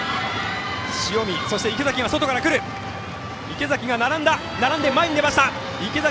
池崎が並んで前に出た！